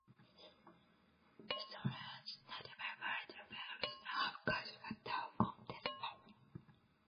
Historians, notably Barton Bernstein, have cast doubt on this story.